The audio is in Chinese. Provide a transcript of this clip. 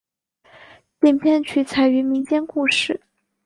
影片取材于民间故事。